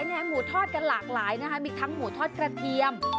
แหมหมูทอดกันหลากหลายนะคะมีทั้งหมูทอดกระเทียม